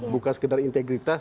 bukan sekedar integritas